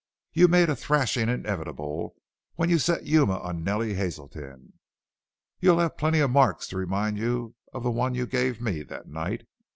You made a thrashing inevitable when you set Yuma on Nellie Hazelton. You'll have plenty of marks to remind you of the one you gave me that night."